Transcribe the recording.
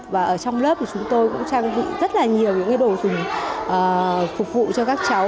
và ở trong lớp thì chúng tôi cũng trang bị rất là nhiều những đồ dùng phục vụ cho các cháu